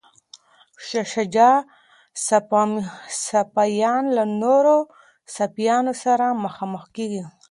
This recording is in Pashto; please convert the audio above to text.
د شاه شجاع سپایان له نورو سپایانو سره مخامخ کیږي.